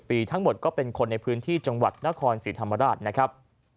ปีทั้งหมดก็เป็นคนในพื้นที่จังหวัดนครศรีธรรมราชนะครับ